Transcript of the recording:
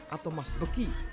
atau mas beki